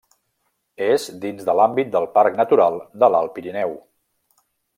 És dins de l'àmbit del Parc Natural de l'Alt Pirineu.